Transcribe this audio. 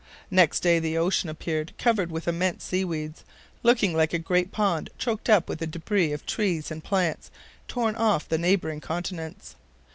Next day, the ocean appeared covered with immense seaweeds, looking like a great pond choked up with the DEBRIS of trees and plants torn off the neighboring continents.